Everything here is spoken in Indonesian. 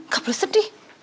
gak boleh sedih